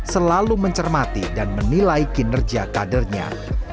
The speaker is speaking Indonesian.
selalu mencermati dan menilai kinerja kadernya